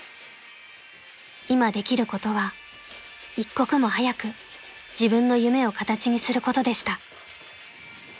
［今できることは一刻も早く自分の夢を形にすることでした］